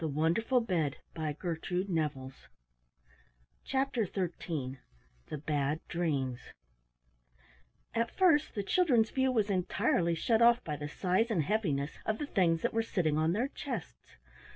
CHAPTER XIII THE BAD DREAMS At first the children's view was entirely shut off by the size and heaviness of the things that were sitting on their chests.